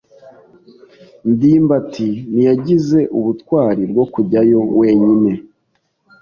ndimbati ntiyagize ubutwari bwo kujyayo wenyine.